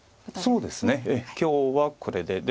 そうですね今日はこれで。